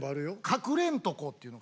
かくれんとこっていうの？